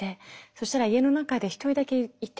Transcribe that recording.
そしたら家の中で１人だけいて。